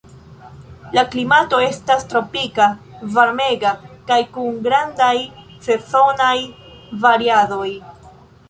La klimato estas tropika, varmega kaj kun grandaj sezonaj variadoj.